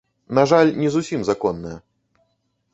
На жаль, не зусім законная.